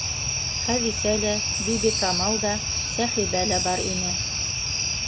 Хәҙисә лә, Бибикамал да, Сәхибә лә бар ине.